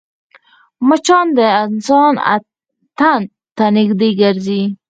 مچان د انسان تن ته نږدې ګرځي